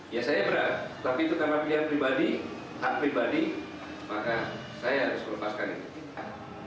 ya saya berat tapi itu karena pilihan pribadi hak pribadi maka saya harus melepaskan itu